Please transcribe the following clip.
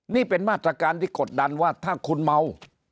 นี่เป็นมาตรการที่กดดันว่าถ้าคุณเมา